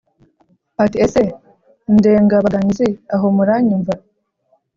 Ati “Ese Ndengabaganizi, aho muranyumva